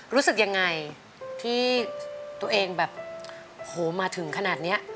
รู้สึกยังไงที่ตัวเองแบบโหมาถึงขนาดนี้